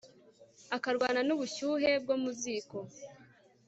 akarwana n'ubushyuhe bwo mu ziko